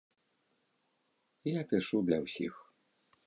Я пішу для ўсіх.